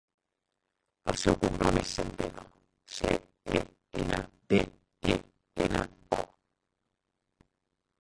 El seu cognom és Centeno: ce, e, ena, te, e, ena, o.